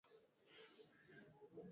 Ugonjwa wa ndigana kali kwa ngombe